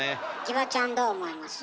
ギバちゃんどう思います？